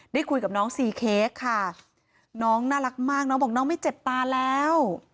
ได้คุยกับน้องซีเค้กค่ะน้องน่ารักมากน้องบอกน้องไม่เจ็บตาแล้ว